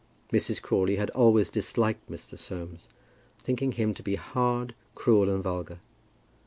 Mrs. Crawley had always disliked Mr. Soames, thinking him to be hard, cruel, and vulgar.